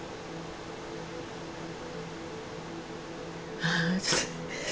ああ。